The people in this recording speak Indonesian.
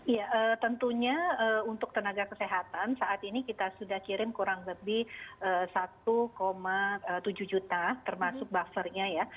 ya tentunya untuk tenaga kesehatan saat ini kita sudah kirim kurang lebih satu tujuh juta termasuk buffernya ya